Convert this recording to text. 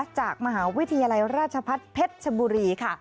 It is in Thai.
จากมหาวิทยาลัยราชพัฒน์เพชรชบุรีค่ะ